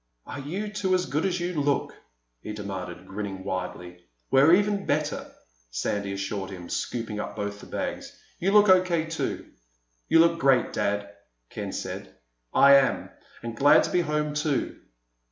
"Are you two as good as you look?" he demanded, grinning widely. "We're even better," Sandy assured him, scooping up both the bags. "You look O.K. too." "You look great, Dad," Ken said. "I am. And glad to be home too."